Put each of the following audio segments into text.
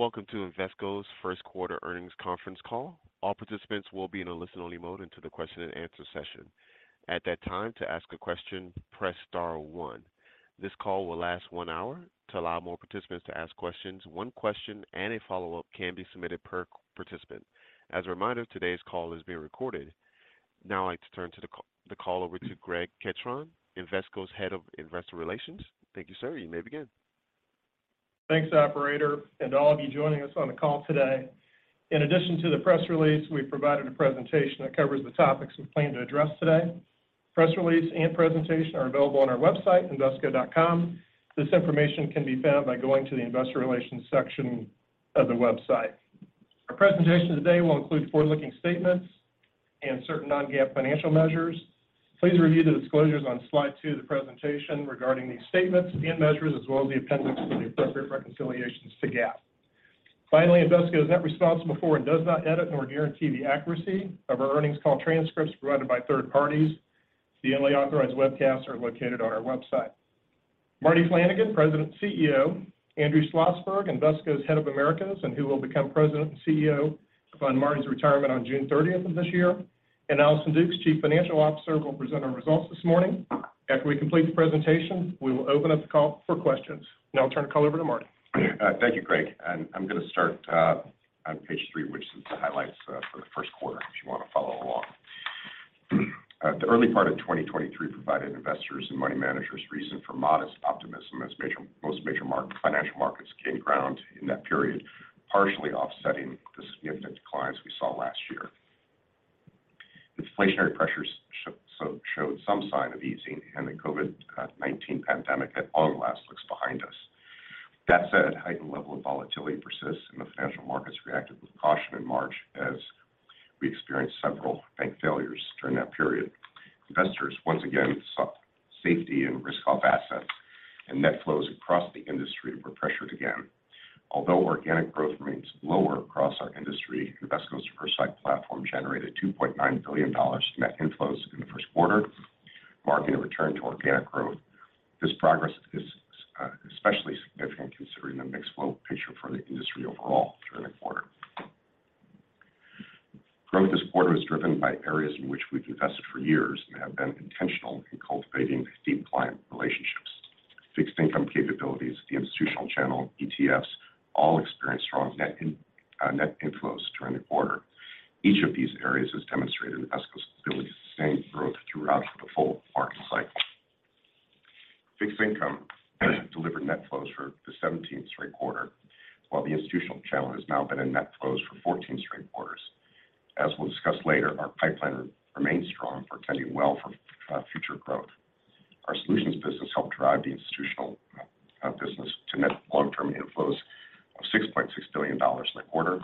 Welcome to Invesco's first quarter earnings conference call. All participants will be in a listen-only mode until the question-and-answer session. At that time, to ask a question, press star one. This call will last one hour. To allow more participants to ask questions, one question and a follow-up can be submitted per participant. As a reminder, today's call is being recorded. I'd like to turn the call over to Greg Ketron, Invesco's Head of Investor Relations. Thank you, sir. You may begin. Thanks, operator, and to all of you joining us on the call today. In addition to the press release, we provided a presentation that covers the topics we plan to address today. Press release and presentation are available on our website, invesco.com. This information can be found by going to the Investor Relations section of the website. Our presentation today will include forward-looking statements and certain non-GAAP financial measures. Please review the disclosures on slide two of the presentation regarding these statements and measures, as well as the appendix for the appropriate reconciliations to GAAP. Finally, Invesco is not responsible for and does not edit nor guarantee the accuracy of our earnings call transcripts provided by third parties. The only authorized webcasts are located on our website. Marty Flanagan, President and CEO, Andrew Schlossberg, Invesco's Head of Americas, and who will become President and CEO upon Marty's retirement on June 30th of this year, and Allison Dukes, Chief Financial Officer, will present our results this morning. After we complete the presentation, we will open up the call for questions. Now I'll turn the call over to Marty. Thank you, Greg. I'm gonna start on page three, which is the highlights for the first quarter, if you wanna follow along. The early part of 2023 provided investors and money managers reason for modest optimism as most major market financial markets gained ground in that period, partially offsetting the significant declines we saw last year. Inflationary pressures showed some sign of easing, the COVID-19 pandemic at long last looks behind us. That said, heightened level of volatility persists, the financial markets reacted with caution in March as we experienced several bank failures during that period. Investors once again sought safety in risk-off assets, net flows across the industry were pressured again. Although organic growth remains lower across our industry, Invesco's foresight platform generated $2.9 billion net inflows in the first quarter, marking a return to organic growth. This progress is especially significant considering the mixed flow picture for the industry overall during the quarter. Growth this quarter is driven by areas in which we've invested for years and have been intentional in cultivating deep client relationships. Fixed income capabilities, the institutional channel, ETFs all experienced strong net inflows during the quarter. Each of these areas has demonstrated Invesco's ability to sustain growth throughout the full market cycle. Fixed income delivered net flows for the 17th straight quarter, while the institutional channel has now been in net flows for 14 straight quarters. As we'll discuss later, our pipeline remains strong, portending well for future growth. Our Solutions business helped drive the institutional business to net long-term inflows of $6.6 billion in the quarter.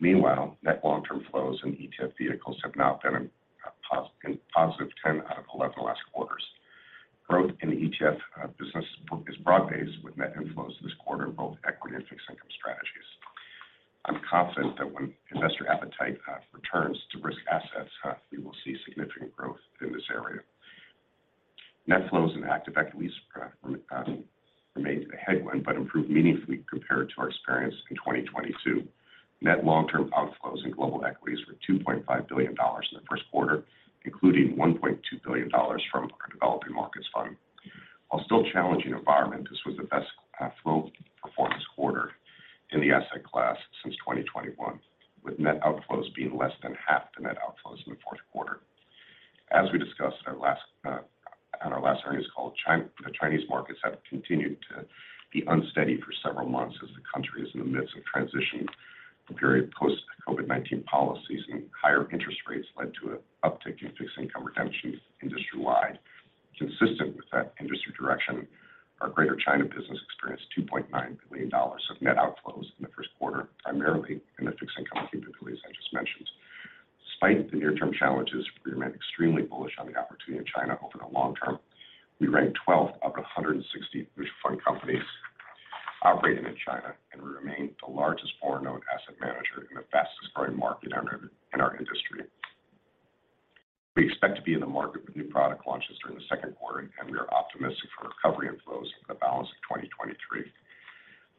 Meanwhile, net long-term flows in ETF vehicles have now been in positive 10 out of 11 last quarters. Growth in the ETF business is broad-based, with net inflows this quarter in both equity and fixed income strategies. I'm confident that when investor appetite returns to risk assets, we will see significant growth in this area. Net flows in active equity remained a headwind, but improved meaningfully compared to our experience in 2022. Net long-term outflows in global equities were $2.5 billion in the first quarter, including $1.2 billion from our Developing Markets Fund. While still a challenging environment, this was the best flow performance quarter in the asset class since 2021, with net outflows being less than half the net outflows in the fourth quarter. As we discussed in our last on our last earnings call, the Chinese markets have continued to be unsteady for several months as the country is in the midst of transitioning from period post-COVID-19 policies and higher interest rates led to an uptick in fixed income redemptions industry-wide. Consistent with that industry direction, our Greater China business experienced $2.9 billion of net outflows in the first quarter, primarily in the fixed income capabilities I just mentioned. Despite the near-term challenges, we remain extremely bullish on the opportunity in China over the long term. We rank 12th out of 160 British fund companies operating in China. We remain the largest foreign-owned asset manager in the fastest-growing market in our industry. We expect to be in the market with new product launches during the second quarter. We are optimistic for recovery inflows for the balance of 2023.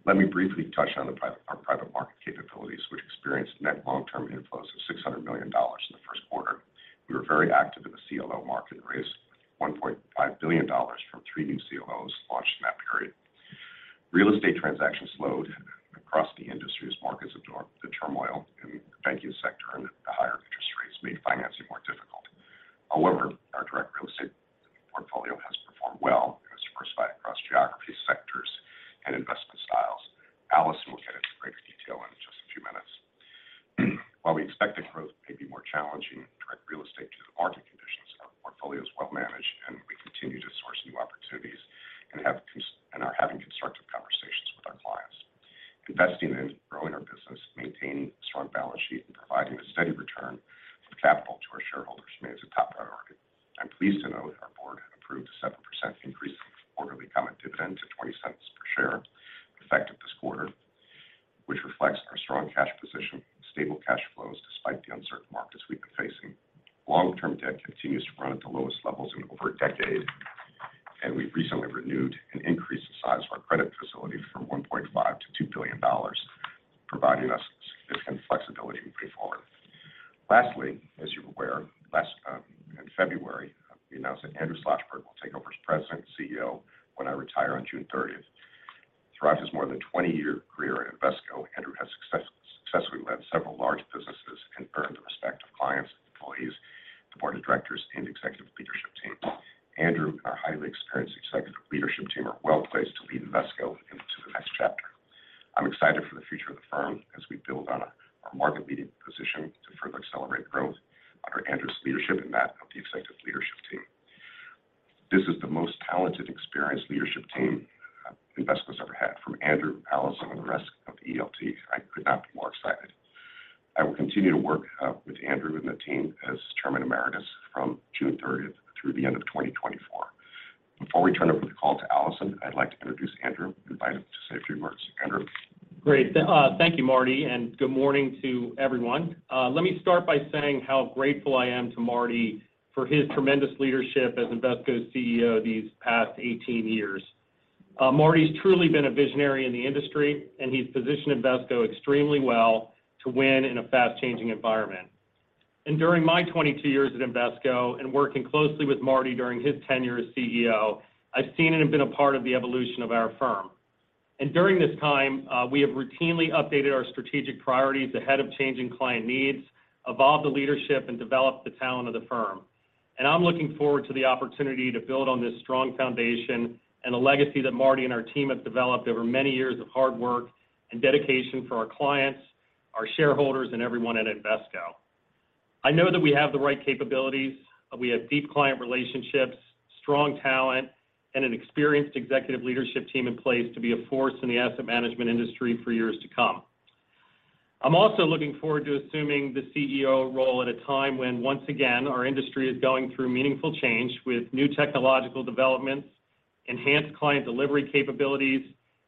Let me briefly touch on our Private Market capabilities, which experienced net long-term inflows of $600 million in the first quarter. We were very active in the CLO market and raised $1.5 billion from three new CLOs launched in that period. Real estate transactions slowed across the industry as markets absorbed the turmoil in the banking sector and the higher interest rates made financing more difficult. Our direct real estate portfolio has performed well and is diversified across geographies, sectors, and investment styles. Allison will get into greater detail in just a few minutes. We expect that growth may be more challenging in direct real estate due to the market conditions, our portfolio is well managed, and we continue to source new opportunities and are having constructive conversations with our clients. Investing in growing our business, maintaining a strong balance sheet, and providing a steady return of capital to our shareholders remains a top priority. I'm pleased to note our board approved a 7% increase in quarterly common dividend to $0.20 per share, effective this quarter, which reflects our strong cash position and stable cash flows despite the uncertain markets we've been facing. Long-term debt continues to run at the lowest levels in over a decade. We've recently renewed and increased the size of our credit facility from $1.5 billion-$2 billion, providing us significant flexibility moving forward. Lastly, as you're aware, last in February, we announced that Andrew Schlossberg will take over as President and CEO when I retire on June 30th. Throughout his more than 20-year career at Invesco, Andrew has successfully led several large businesses and earned the respect of clients, employees, the board of directors, and executive leadership team. Andrew and our highly experienced executive leadership team are well-placed to lead Invesco into the next chapter. I'm excited for the future of the firm as we build on our market-leading position to further accelerate growth under Andrew's leadership and that of the executive leadership team. This is the most talented, experienced leadership team Invesco's ever had. From Andrew, Allison, and the rest of the ELT, I could not be more excited. I will continue to work with Andrew and the team as chairman emeritus from June 30th through the end of 2024. Before we turn over the call to Allison, I'd like to introduce Andrew, invite him to say a few words. Andrew. Great. Thank you, Marty. Good morning to everyone. Let me start by saying how grateful I am to Marty for his tremendous leadership as Invesco's CEO these past 18 years. Marty's truly been a visionary in the industry, and he's positioned Invesco extremely well to win in a fast-changing environment. During my 22 years at Invesco and working closely with Marty during his tenure as CEO, I've seen and have been a part of the evolution of our firm. During this time, we have routinely updated our strategic priorities ahead of changing client needs, evolved the leadership, and developed the talent of the firm. I'm looking forward to the opportunity to build on this strong foundation and a legacy that Marty and our team have developed over many years of hard work and dedication for our clients, our shareholders, and everyone at Invesco. I know that we have the right capabilities, we have deep client relationships, strong talent, and an experienced executive leadership team in place to be a force in the asset management industry for years to come. I'm also looking forward to assuming the CEO role at a time when, once again, our industry is going through meaningful change with new technological developments, enhanced client delivery capabilities,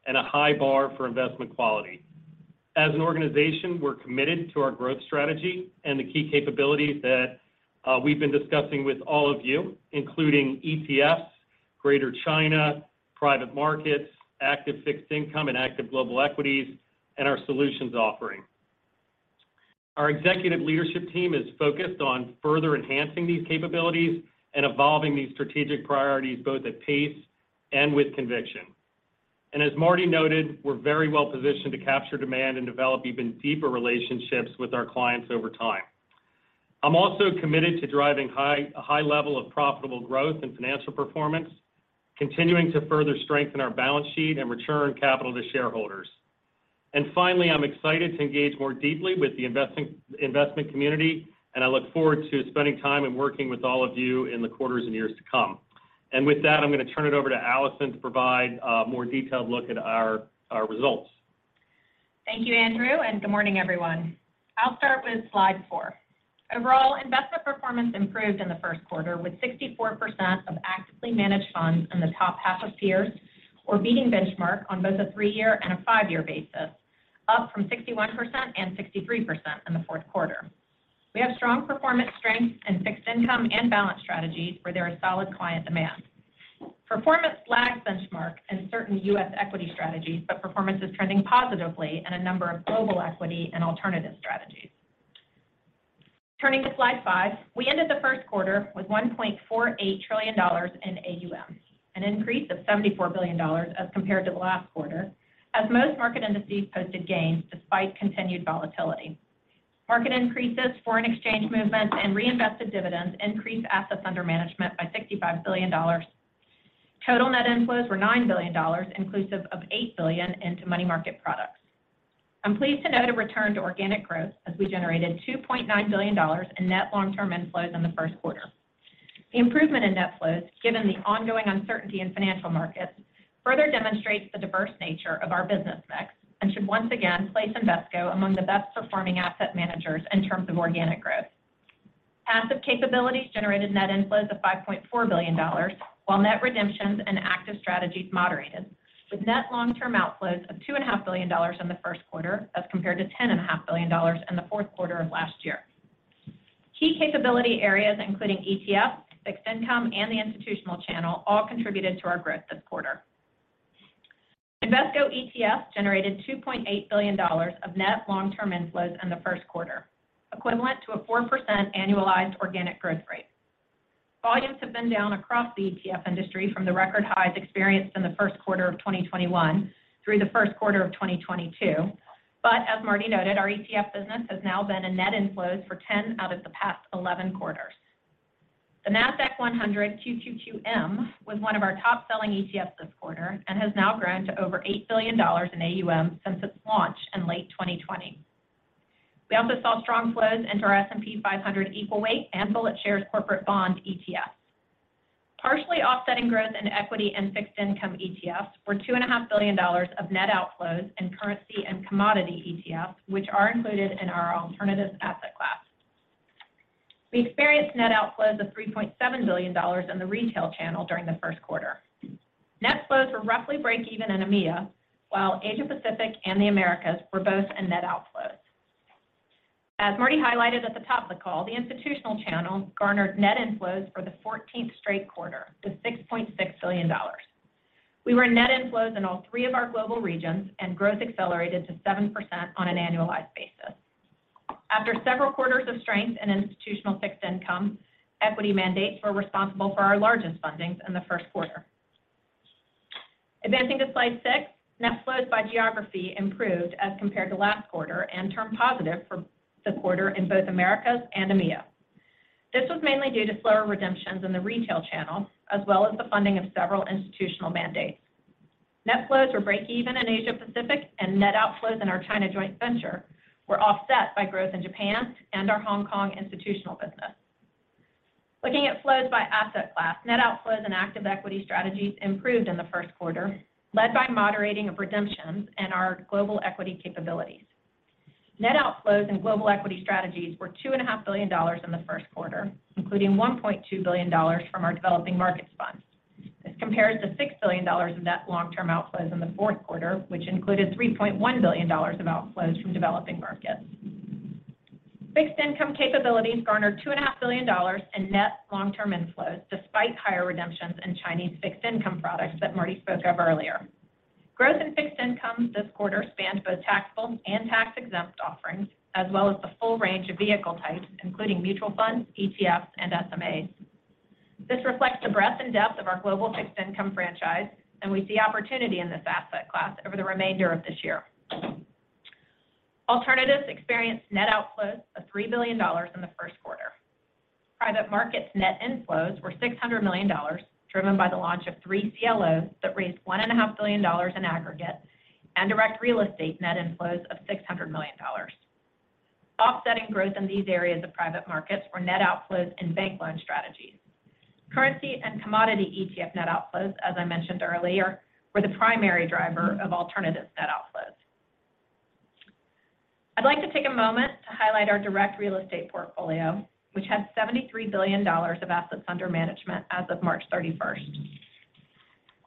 and a high bar for investment quality. As an organization, we're committed to our growth strategy and the key capabilities that we've been discussing with all of you, including ETFs, Greater China, Private Markets, Active Fixed Income and Active Global Equities, and our Solutions offering. Our executive leadership team is focused on further enhancing these capabilities and evolving these strategic priorities both at pace and with conviction. As Marty noted, we're very well-positioned to capture demand and develop even deeper relationships with our clients over time. I'm also committed to driving a high level of profitable growth and financial performance, continuing to further strengthen our balance sheet and return capital to shareholders. Finally, I'm excited to engage more deeply with the investment community, and I look forward to spending time and working with all of you in the quarters and years to come. With that, I'm gonna turn it over to Allison to provide a more detailed look at our results. Thank you, Andrew. Good morning, everyone. I'll start with slide four. Overall, investment performance improved in the first quarter, with 64% of actively managed funds in the top half of peers or beating benchmark on both a three-year and a five-year basis, up from 61% and 63% in the fourth quarter. We have strong performance strength in fixed income and balance strategies where there is solid client demand. Performance lagged benchmark in certain U.S. equity strategies. Performance is trending positively in a number of global equity and alternative strategies. Turning to slide five, we ended the first quarter with $1.48 trillion in AUM, an increase of $74 billion as compared to the last quarter, as most market indices posted gains despite continued volatility. Market increases, foreign exchange movements, and reinvested dividends increased assets under management by $65 billion. Total net inflows were $9 billion, inclusive of $8 billion into money market products. I'm pleased to note a return to organic growth as we generated $2.9 billion in net long-term inflows in the first quarter. The improvement in net flows, given the ongoing uncertainty in financial markets, further demonstrates the diverse nature of our business mix and should once again place Invesco among the best-performing asset managers in terms of organic growth. Passive capabilities generated net inflows of $5.4 billion, while net redemptions and active strategies moderated, with net long-term outflows of $2.5 billion dollars in the first quarter as compared to $10.5 billion dollars in the fourth quarter of last year. Key capability areas, including ETF, fixed income, and the institutional channel, all contributed to our growth this quarter. Invesco ETF generated $2.8 billion of net long-term inflows in the first quarter, equivalent to a 4% annualized organic growth rate. Volumes have been down across the ETF industry from the record highs experienced in the first quarter of 2021 through the first quarter of 2022. As Marty noted, our ETF business has now been in net inflows for 10 out of the past 11 quarters. The Nasdaq 100 QQQM was one of our top-selling ETFs this quarter and has now grown to over $8 billion in AUM since its launch in late 2020. We also saw strong flows into our S&P 500 Equal Weight and BulletShares Corporate Bond ETF. Partially offsetting growth in equity and fixed income ETFs were $2.5 billion dollars of net outflows in currency and commodity ETFs, which are included in our alternative asset class. We experienced net outflows of $3.7 billion in the retail channel during the first quarter. Net flows were roughly breakeven in EMEA, while Asia Pacific and the Americas were both in net outflows. As Marty highlighted at the top of the call, the institutional channel garnered net inflows for the 14th straight quarter to $6.6 billion. We were net inflows in all three of our global regions, and growth accelerated to 7% on an annualized basis. After several quarters of strength in institutional fixed income, equity mandates were responsible for our largest fundings in the first quarter. Advancing to slide six, net flows by geography improved as compared to last quarter and turned positive for the quarter in both Americas and EMEA. This was mainly due to slower redemptions in the retail channel, as well as the funding of several institutional mandates. Net flows were breakeven in Asia Pacific and net outflows in our China joint venture were offset by growth in Japan and our Hong Kong institutional business. Looking at flows by asset class, net outflows and active equity strategies improved in the first quarter, led by moderating of redemptions and our global equity capabilities. Net outflows in global equity strategies were $2.5 billion dollars in the first quarter, including $1.2 billion from our developing markets funds. This compares to $6 billion in net long-term outflows in the fourth quarter, which included $3.1 billion of outflows from developing markets. Fixed income capabilities garnered $2.5 billion dollars in net long-term inflows despite higher redemptions in Chinese fixed income products that Marty spoke of earlier. Growth in fixed income this quarter spanned both taxable and tax-exempt offerings, as well as the full range of vehicle types, including mutual funds, ETFs, and SMAs. This reflects the breadth and depth of our global fixed income franchise. We see opportunity in this asset class over the remainder of this year. Alternatives experienced net outflows of $3 billion in the first quarter. Private Markets net inflows were $600 million, driven by the launch of three CLOs that raised $1.5 billion in aggregate and direct real estate net inflows of $600 million. Offsetting growth in these areas of Private Markets were net outflows in bank loan strategies. Currency and commodity ETF net outflows, as I mentioned earlier, were the primary driver of alternative net outflows. I'd like to take a moment to highlight our direct real estate portfolio, which has $73 billion of assets under management as of March 31st.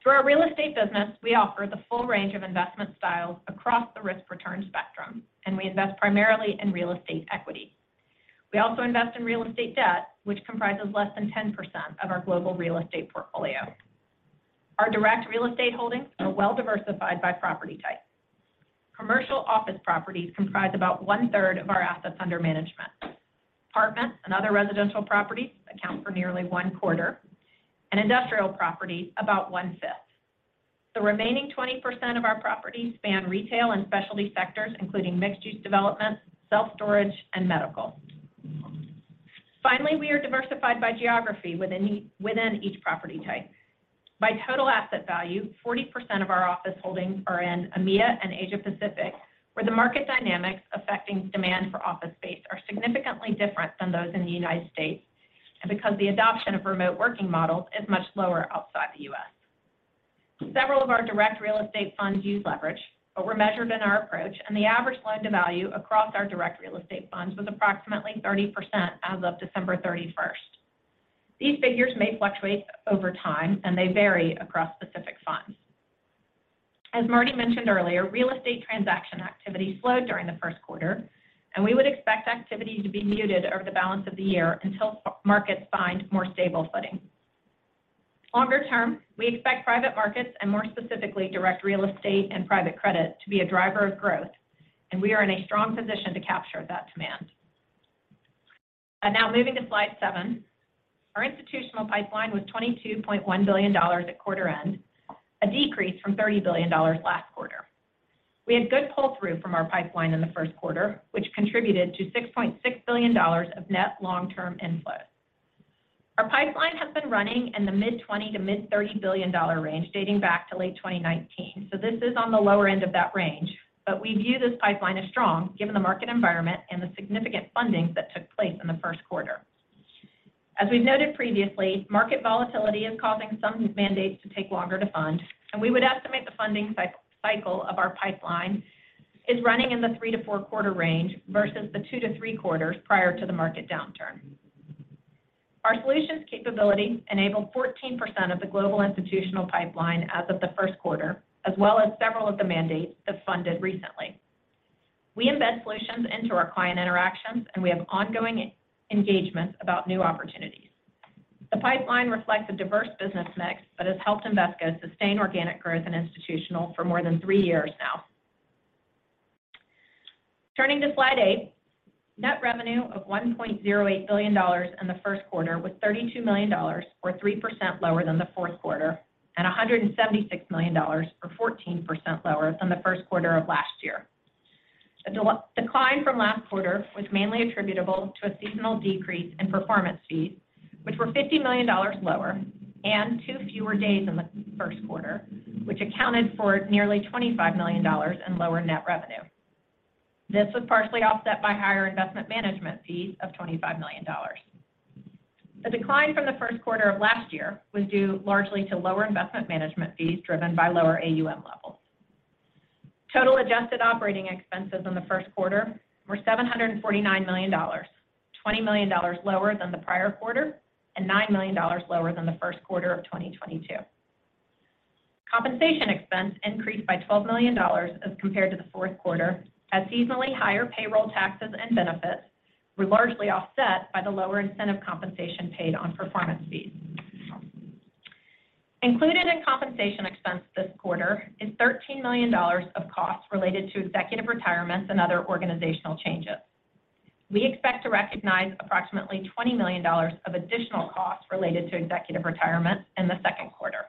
Through our real estate business, we offer the full range of investment styles across the risk-return spectrum. We invest primarily in real estate equity. We also invest in real estate debt, which comprises less than 10% of our global real estate portfolio. Our direct real estate holdings are well-diversified by property type. Commercial office properties comprise about 1/3 of our assets under management. Apartments and other residential properties account for nearly 1/4, and industrial properties about 1/5. The remaining 20% of our properties span retail and specialty sectors, including mixed-use developments, self-storage, and medical. Finally, we are diversified by geography within each property type. By total asset value, 40% of our office holdings are in EMEA and Asia Pacific, where the market dynamics affecting demand for office space are significantly different than those in the United States, and because the adoption of remote working models is much lower outside the U.S. Several of our direct real estate funds use leverage, but we're measured in our approach, and the average loan-to-value across our direct real estate funds was approximately 30% as of December 31st. These figures may fluctuate over time, and they vary across specific funds. As Marty mentioned earlier, real estate transaction activity slowed during the first quarter, we would expect activity to be muted over the balance of the year until markets find more stable footing. Longer term, we expect Private Markets, and more specifically direct real estate and private credit, to be a driver of growth, we are in a strong position to capture that demand. Now moving to slide seven. Our institutional pipeline was $22.1 billion at quarter end, a decrease from $30 billion last quarter. We had good pull-through from our pipeline in the first quarter, which contributed to $6.6 billion of net long-term inflows. Our pipeline has been running in the mid-$20 billion to mid-$30 billion range dating back to late 2019, this is on the lower end of that range. We view this pipeline as strong given the market environment and the significant fundings that took place in the first quarter. As we've noted previously, market volatility is causing some mandates to take longer to fund, and we would estimate the funding cycle of our pipeline is running in the three-four quarter range versus the two-three quarters prior to the market downturn. Our Solutions capability enabled 14% of the global institutional pipeline as of the first quarter, as well as several of the mandates that funded recently. We embed solutions into our client interactions, and we have ongoing e-engagements about new opportunities. The pipeline reflects a diverse business mix that has helped Invesco sustain organic growth in institutional for more than three years now. Turning to slide eight, net revenue of $1.08 billion in the first quarter was $32 million, or 3% lower than the fourth quarter, and $176 million, or 14% lower than the first quarter of last year. A decline from last quarter was mainly attributable to a seasonal decrease in performance fees, which were $50 million lower and two fewer days in the first quarter, which accounted for nearly $25 million in lower net revenue. This was partially offset by higher investment management fees of $25 million. The decline from the first quarter of last year was due largely to lower investment management fees driven by lower AUM levels. Total adjusted operating expenses in the first quarter were $749 million, $20 million lower than the prior quarter and $9 million lower than the first quarter of 2022. Compensation expense increased by $12 million as compared to the fourth quarter as seasonally higher payroll taxes and benefits were largely offset by the lower incentive compensation paid on performance fees. Included in compensation expense this quarter is $13 million of costs related to executive retirements and other organizational changes. We expect to recognize approximately $20 million of additional costs related to executive retirements in the second quarter.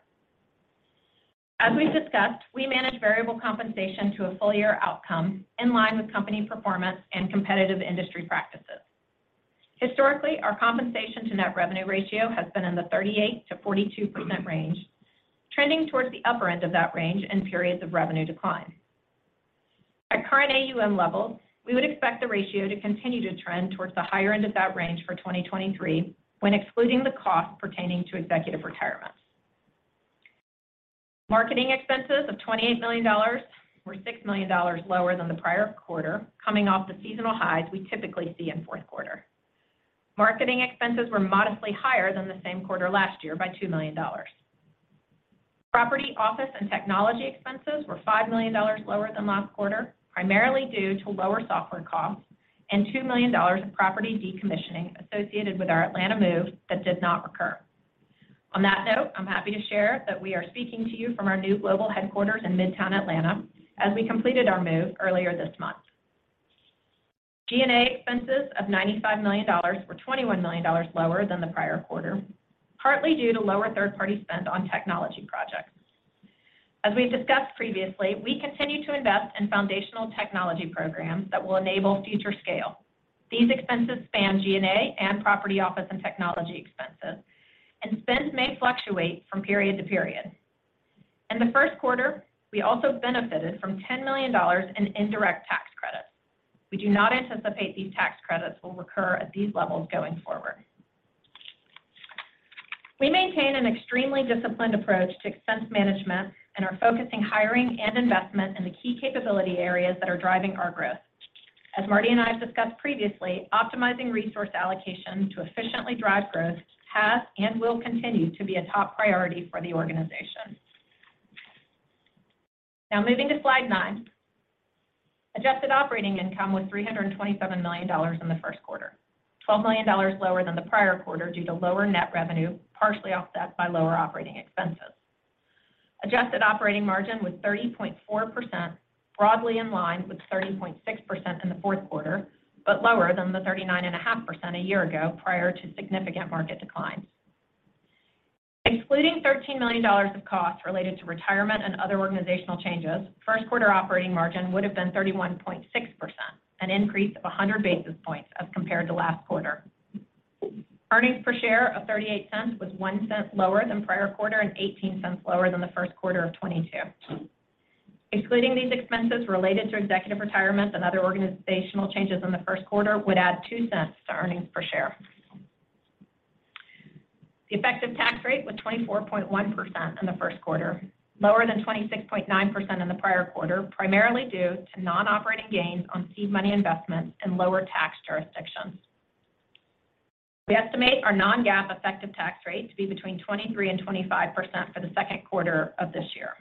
As we've discussed, we manage variable compensation to a full year outcome in line with company performance and competitive industry practices. Historically, our compensation to net revenue ratio has been in the 38%-42% range, trending towards the upper end of that range in periods of revenue decline. At current AUM levels, we would expect the ratio to continue to trend towards the higher end of that range for 2023 when excluding the cost pertaining to executive retirements. Marketing expenses of $28 million were $6 million lower than the prior quarter, coming off the seasonal highs we typically see in fourth quarter. Marketing expenses were modestly higher than the same quarter last year by $2 million. Property, office, and technology expenses were $5 million lower than last quarter, primarily due to lower software costs and $2 million of property decommissioning associated with our Atlanta move that did not recur. On that note, I'm happy to share that we are speaking to you from our new global headquarters in Midtown Atlanta as we completed our move earlier this month. G&A expenses of $95 million were $21 million lower than the prior quarter, partly due to lower third-party spend on technology projects. As we've discussed previously, we continue to invest in foundational technology programs that will enable future scale. These expenses span G&A and property office and technology expenses, and spend may fluctuate from period to period. In the first quarter, we also benefited from $10 million in indirect tax credits. We do not anticipate these tax credits will recur at these levels going forward. We maintain an extremely disciplined approach to expense management and are focusing hiring and investment in the key capability areas that are driving our growth. As Marty and I have discussed previously, optimizing resource allocation to efficiently drive growth has and will continue to be a top priority for the organization. Now moving to slide nine. Adjusted operating income was $327 million in the first quarter. $12 million lower than the prior quarter due to lower net revenue, partially offset by lower operating expenses. Adjusted operating margin was 30.4%, broadly in line with 30.6% in the fourth quarter, but lower than the 39.5% a year ago prior to significant market declines. Excluding $13 million of costs related to retirement and other organizational changes, first quarter operating margin would have been 31.6%, an increase of 100 basis points as compared to last quarter. Earnings per share of $0.38 was $0.01 lower than prior quarter and $0.18 lower than the first quarter of 2022. Excluding these expenses related to executive retirements and other organizational changes in the first quarter would add $0.02 to earnings per share. The effective tax rate was 24.1% in the first quarter, lower than 26.9% in the prior quarter, primarily due to non-operating gains on seed money investments in lower tax jurisdictions. We estimate our non-GAAP effective tax rate to be between 23%-25% for the second quarter of this year.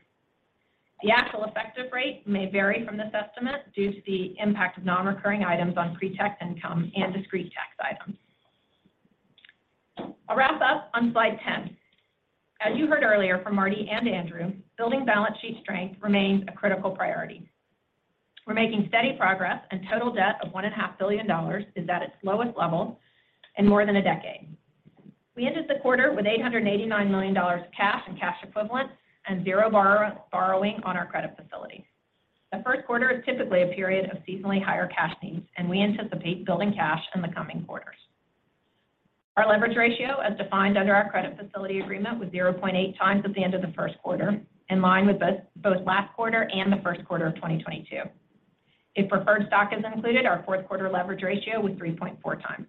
The actual effective rate may vary from this estimate due to the impact of non-recurring items on pre-tax income and discrete tax items. I'll wrap up on slide 10. As you heard earlier from Marty and Andrew, building balance sheet strength remains a critical priority. We're making steady progress. Total debt of $1.5 billion is at its lowest level in more than a decade. We ended the quarter with $889 million of cash and cash equivalents and zero borrowing on our credit facility. The first quarter is typically a period of seasonally higher cash needs, and we anticipate building cash in the coming quarters. Our leverage ratio as defined under our credit facility agreement was 0.8x at the end of the first quarter, in line with both last quarter and the first quarter of 2022. If preferred stock is included, our fourth quarter leverage ratio was 3.4x.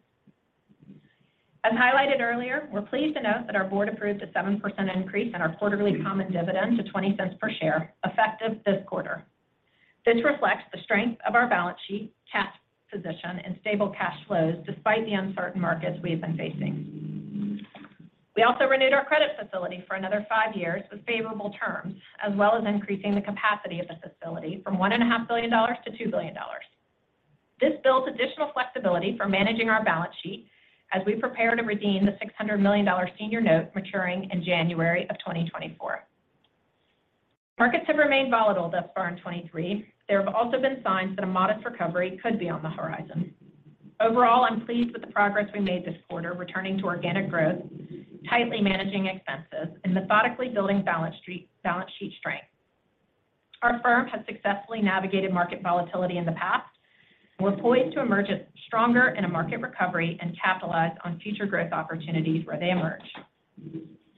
As highlighted earlier, we're pleased to note that our board approved a 7% increase in our quarterly common dividend to $0.20 per share, effective this quarter. This reflects the strength of our balance sheet, cash position, and stable cash flows despite the uncertain markets we have been facing. We also renewed our credit facility for another five years with favorable terms, as well as increasing the capacity of the facility from $1.5 billion to $2 billion. This builds additional flexibility for managing our balance sheet as we prepare to redeem the $600 million senior note maturing in January of 2024. Markets have remained volatile thus far in 2023. There have also been signs that a modest recovery could be on the horizon. I'm pleased with the progress we made this quarter, returning to organic growth, tightly managing expenses, and methodically building balance sheet strength. Our firm has successfully navigated market volatility in the past. We're poised to emerge as stronger in a market recovery and capitalize on future growth opportunities where they emerge.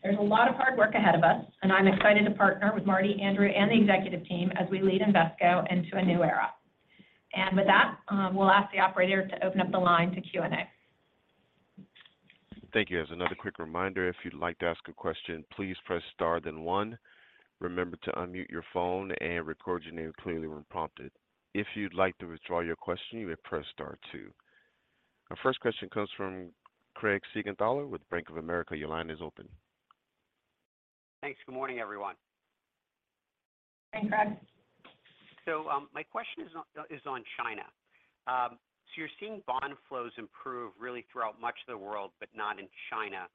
There's a lot of hard work ahead of us, and I'm excited to partner with Marty, Andrew, and the executive team as we lead Invesco into a new era. With that, we'll ask the operator to open up the line to Q&A. Thank you. As another quick reminder, if you'd like to ask a question, please press star then one. Remember to unmute your phone and record your name clearly when prompted. If you'd like to withdraw your question, you may press star two. Our first question comes from Craig Siegenthaler with Bank of America. Your line is open. Thanks. Good morning, everyone. Hey, Craig. My question is on China. You're seeing bond flows improve really throughout much of the world, but not in China.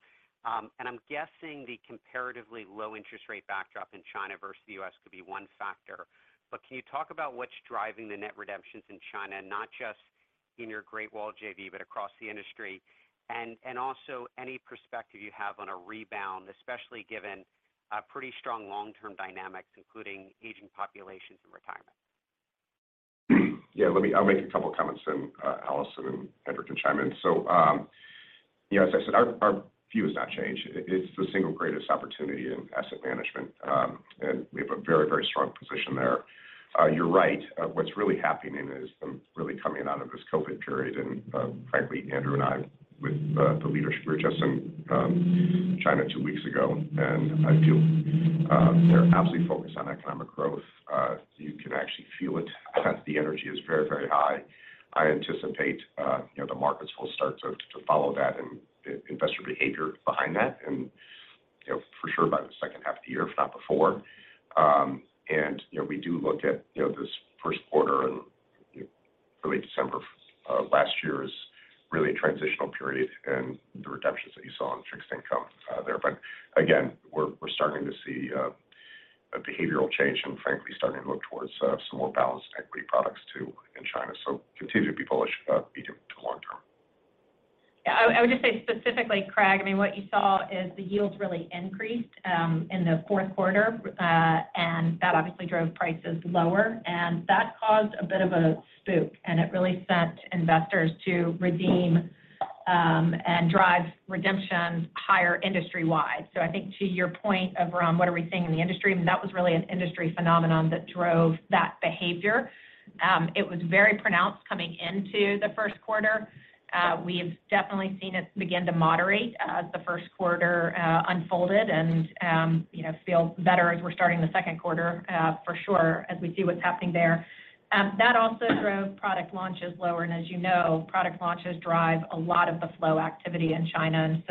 I'm guessing the comparatively low interest rate backdrop in China versus the U.S. could be one factor. Can you talk about what's driving the net redemptions in China, not just in your Great Wall JV, but across the industry? Also any perspective you have on a rebound, especially given pretty strong long-term dynamics, including aging populations and retirement. I'll make a couple comments, then Allison and Andrew can chime in. You know, as I said, our view has not changed. It's the single greatest opportunity in asset management, and we have a very, very strong position there. You're right. What's really happening is really coming out of this COVID period, and frankly, Andrew and I with the leadership, we were just in China two weeks ago, and I feel they're absolutely focused on economic growth. You can actually feel it. The energy is very, very high. I anticipate, you know, the markets will start to follow that and investor behavior behind that and, you know, for sure by the second half of the year, if not before. You know, we do look at, you know, this first quarter and, you know, really December last year as really a transitional period and the redemptions that you saw in fixed income there. Again, we're starting to see a behavioral change and frankly starting to look towards some more balanced equity products too in China. Continue to be bullish, medium to long term. I would just say specifically, Craig, I mean, what you saw is the yields really increased in the fourth quarter, and that obviously drove prices lower, and that caused a bit of a spook, and it really sent investors to redeem, and drive redemptions higher industry-wide. I think to your point of around what are we seeing in the industry, and that was really an industry phenomenon that drove that behavior. It was very pronounced coming into the first quarter. We've definitely seen it begin to moderate as the first quarter unfolded and, you know, feel better as we're starting the second quarter, for sure as we see what's happening there. That also drove product launches lower, and as you know, product launches drive a lot of the flow activity in China.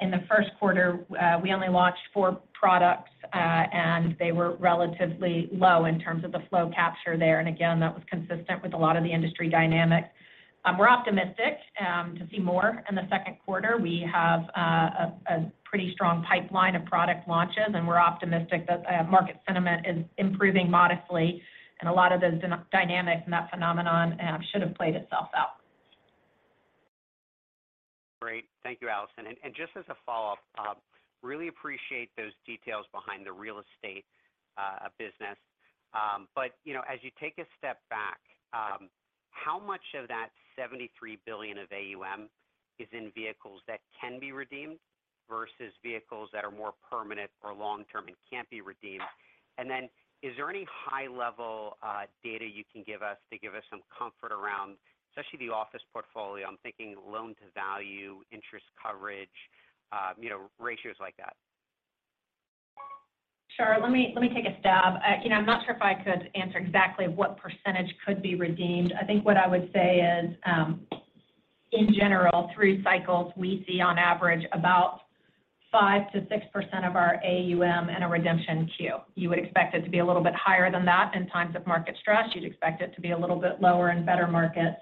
In the first quarter, we only launched four products, and they were relatively low in terms of the flow capture there. Again, that was consistent with a lot of the industry dynamics. We're optimistic to see more in the second quarter. We have a pretty strong pipeline of product launches, and we're optimistic that market sentiment is improving modestly and a lot of those dynamic and that phenomenon should have played itself out. Great. Thank you, Allison. Just as a follow-up, really appreciate those details behind the real estate business. You know, as you take a step back, how much of that $73 billion of AUM is in vehicles that can be redeemed versus vehicles that are more permanent or long-term and can't be redeemed? Then is there any high level data you can give us to give us some comfort around, especially the office portfolio? I'm thinking loan-to-value, interest coverage, you know, ratios like that. Sure. Let me take a stab. You know, I'm not sure if I could answer exactly what percentage could be redeemed. I think what I would say is, in general, through cycles, we see on average about 5%-6% of our AUM in a redemption queue. You would expect it to be a little bit higher than that in times of market stress. You'd expect it to be a little bit lower in better markets.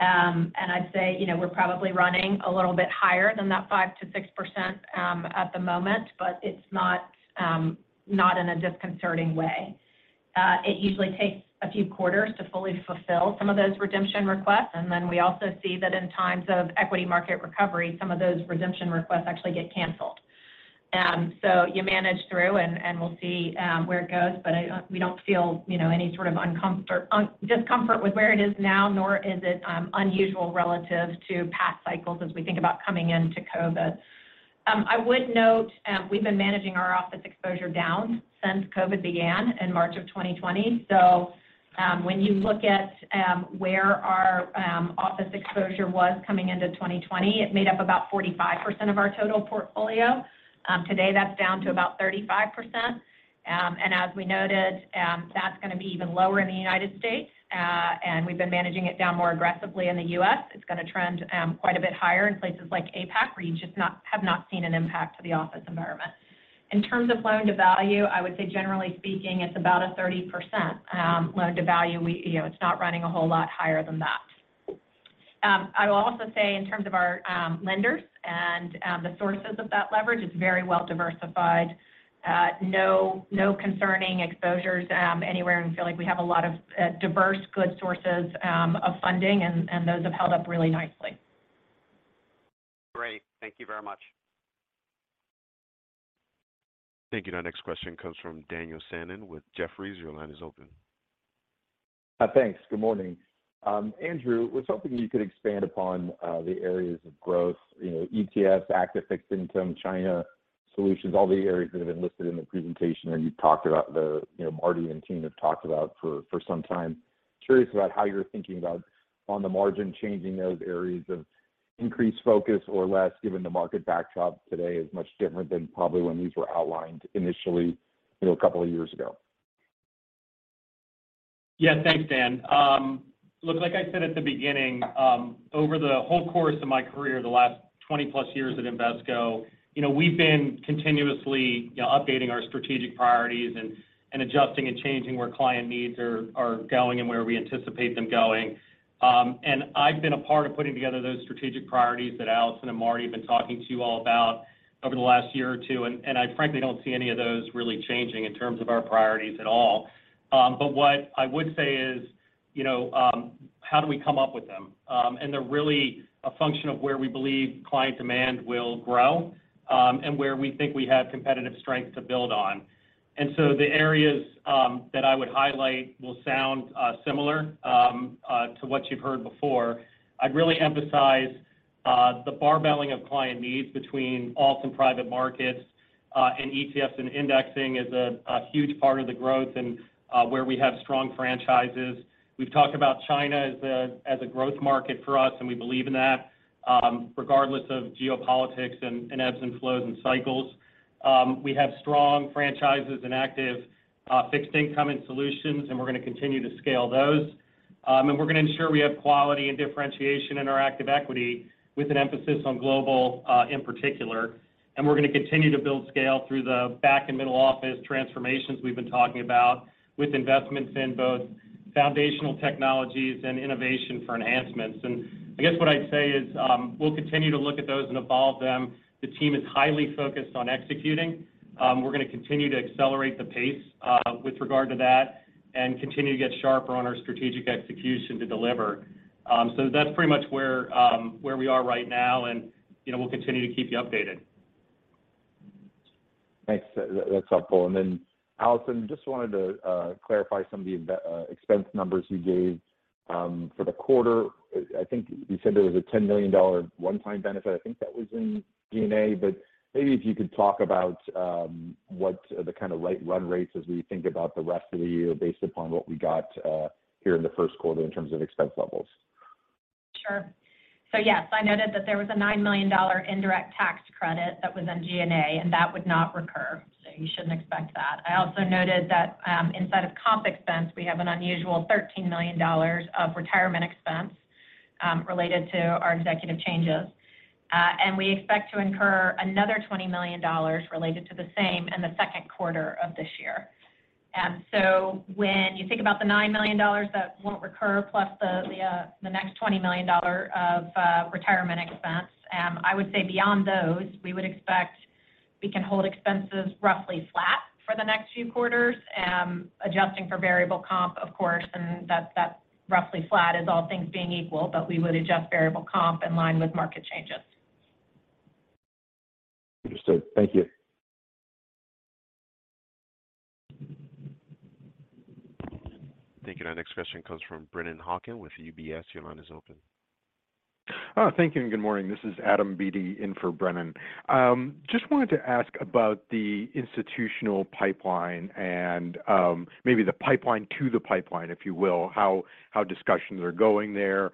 I'd say, you know, we're probably running a little bit higher than that 5%-6% at the moment, but it's not in a disconcerting way. It usually takes a few quarters to fully fulfill some of those redemption requests. Then we also see that in times of equity market recovery, some of those redemption requests actually get canceled. You manage through and we'll see where it goes. We don't feel, you know, any sort of discomfort with where it is now, nor is it unusual relative to past cycles as we think about coming into COVID. I would note, we've been managing our office exposure down since COVID began in March of 2020. When you look at where our office exposure was coming into 2020, it made up about 45% of our total portfolio. Today, that's down to about 35%. And as we noted, that's gonna be even lower in the United States. We've been managing it down more aggressively in the U.S. It's gonna trend quite a bit higher in places like APAC, where you've just have not seen an impact to the office environment. In terms of loan-to-value, I would say generally speaking, it's about a 30% loan-to-value. We, you know, it's not running a whole lot higher than that. I will also say in terms of our lenders and the sources of that leverage, it's very well diversified. No concerning exposures anywhere and feel like we have a lot of diverse good sources of funding and those have held up really nicely. Great. Thank you very much. Thank you. Our next question comes from Daniel Fannon with Jefferies. Your line is open. Thanks. Good morning. Andrew, was hoping you could expand upon the areas of growth, you know, ETFs, Active Fixed Income, China Solutions, all the areas that have been listed in the presentation and you've talked about, you know, Marty and team have talked about for some time. Curious about how you're thinking about on the margin changing those areas of increased focus or less given the market backdrop today is much different than probably when these were outlined initially, you know, a couple of years ago. Yeah. Thanks, Dan. Look, like I said at the beginning, over the whole course of my career, the last 20 plus years at Invesco, you know, we've been continuously, you know, updating our strategic priorities and adjusting and changing where client needs are going and where we anticipate them going. I've been a part of putting together those strategic priorities that Allison and Marty have been talking to you all about over the last year or two, and I frankly don't see any of those really changing in terms of our priorities at all. What I would say is, you know, how do we come up with them? They're really a function of where we believe client demand will grow, and where we think we have competitive strength to build on. The areas that I would highlight will sound similar to what you've heard before. I'd really emphasize the barbelling of client needs between alt and Private Markets, and ETFs and indexing is a huge part of the growth and where we have strong franchises. We've talked about China as a growth market for us, and we believe in that, regardless of geopolitics and ebbs and flows and cycles. We have strong franchises and Active Fixed Income and Solutions, and we're gonna continue to scale those. We're gonna ensure we have quality and differentiation in our active equity with an emphasis on global in particular. We're gonna continue to build scale through the back and middle office transformations we've been talking about with investments in both foundational technologies and innovation for enhancements. I guess what I'd say is, we'll continue to look at those and evolve them. The team is highly focused on executing. We're gonna continue to accelerate the pace with regard to that and continue to get sharper on our strategic execution to deliver. That's pretty much where we are right now, and, you know, we'll continue to keep you updated. Thanks. That's helpful. Then Allison, just wanted to clarify some of the expense numbers you gave for the quarter. I think you said there was a $10 million one-time benefit. I think that was in G&A. Maybe if you could talk about what the kinda light run rates as we think about the rest of the year based upon what we got here in the first quarter in terms of expense levels. Sure. Yes, I noted that there was a $9 million indirect tax credit that was in G&A, and that would not recur, so you shouldn't expect that. I also noted that, inside of comp expense, we have an unusual $13 million of retirement expense, related to our executive changes. We expect to incur another $20 million related to the same in the second quarter of this year. When you think about the $9 million that won't recur plus the next $20 million of retirement expense, I would say beyond those, we would expect we can hold expenses roughly flat for the next few quarters, adjusting for variable comp, of course. That's roughly flat is all things being equal, but we would adjust variable comp in line with market changes. Understood. Thank you. Thank you. Our next question comes from Brennan Hawken with UBS. Your line is open. Thank you, and good morning. This is Adam Beatty in for Brennan. Just wanted to ask about the institutional pipeline and, maybe the pipeline to the pipeline, if you will, how discussions are going there,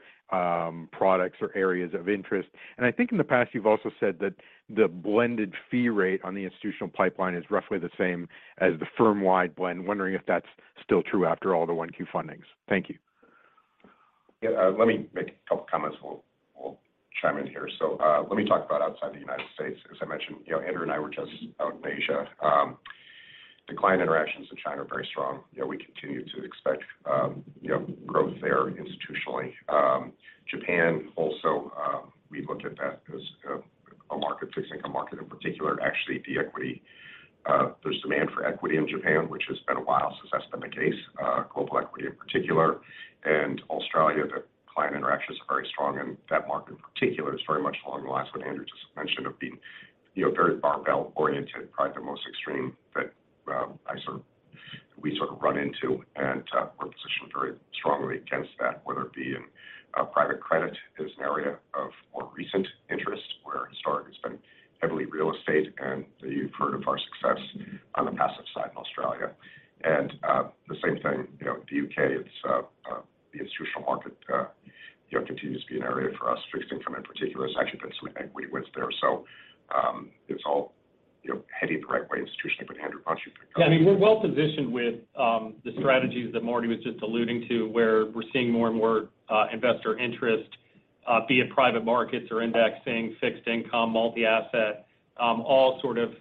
products or areas of interest. I think in the past you've also said that the blended fee rate on the institutional pipeline is roughly the same as the firm-wide blend. Wondering if that's still true after all the 1Q fundings. Thank you. Yeah, let me make a couple comments. We'll chime in here. Let me talk about outside the United States. As I mentioned, you know, Andrew and I were just out in Asia. Decline interactions in China are very strong. You know, we continue to expect, you know, growth there institutionally. Japan also, we look at that as a market, fixed income market in particular. Actually, the equity. There's demand for equity in Japan, which has been a while since that's been the case, global equity in particular. Australia, the client interactions are very strong, and that market in particular is very much along the lines what Andrew just mentioned of being, you know, very barbell-oriented, probably the most extreme that we sort of run into. We're positioned very strongly against that, whether it be in private credit is an area of more recent interest where historic has been heavily real estate, and you've heard of our success on the passive side in Australia. The same thing, you know, the U.K., it's the institutional market, you know, continues to be an area for us, fixed income in particular. There's actually been some equity wins there. It's all, you know, heading the right way institutionally. Andrew, why don't you take over? Yeah. I mean, we're well positioned with the strategies that Marty was just alluding to, where we're seeing more and more investor interest, be it Private Markets or indexing, fixed income, multi-asset, all sort of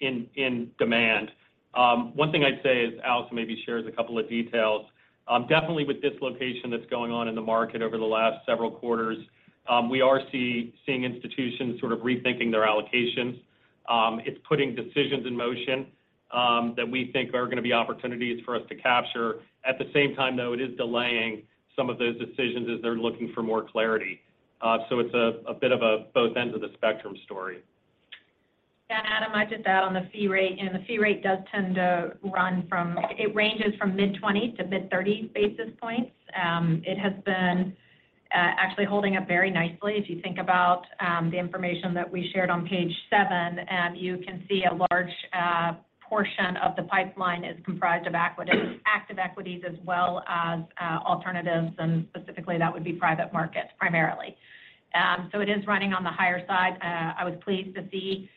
in demand. One thing I'd say is Alex maybe shares a couple of details. Definitely with dislocation that's going on in the market over the last several quarters, we are seeing institutions sort of rethinking their allocations. It's putting decisions in motion, that we think are gonna be opportunities for us to capture. At the same time, though, it is delaying some of those decisions as they're looking for more clarity. It's a bit of a both ends of the spectrum story. Adam, I'd just add on the fee rate. The fee rate does tend to run from... It ranges from mid-20 to mid-30 basis points. It has been actually holding up very nicely. If you think about the information that we shared on page seven, you can see a large portion of the pipeline is comprised of equities, active equities, as well as alternatives, and specifically that would be Private Markets primarily. So it is running on the higher side. I was pleased to see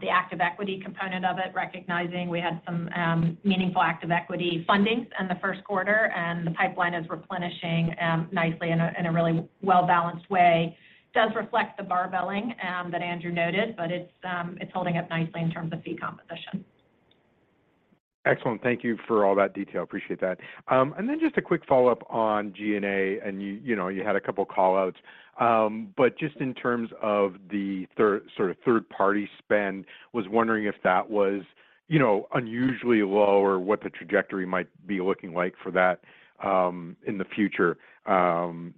the active equity component of it, recognizing we had some meaningful active equity fundings in the first quarter, and the pipeline is replenishing nicely in a, in a really well-balanced way. Does reflect the barbelling that Andrew noted, but it's holding up nicely in terms of fee composition. Excellent. Thank you for all that detail. Appreciate that. Just a quick follow-up on G&A, and you know, you had a couple call-outs. Just in terms of the sort of third-party spend, was wondering if that was, you know, unusually low or what the trajectory might be looking like for that, in the future,